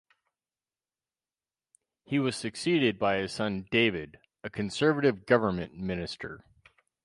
He was succeeded by his son David, a Conservative government minister.